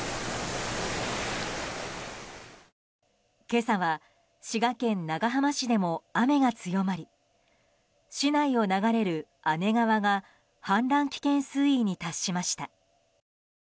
今朝は、滋賀県長浜市でも雨が強まり市内を流れる姉川が氾濫危険水位に達しました。